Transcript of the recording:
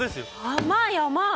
甘い甘い！